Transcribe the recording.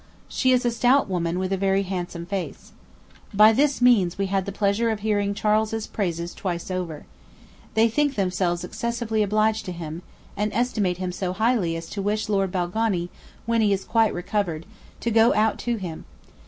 She is a stout woman, with a very handsome face. By this means we had the pleasure of hearing Charles's praises twice over. They think themselves excessively obliged to him, and estimate him so highly as to wish Lord Balgonie, when he is quite recovered, to go out to him.